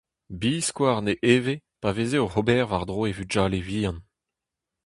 Biskoazh ne eve pa veze oc'h ober war-dro e vugale-vihan.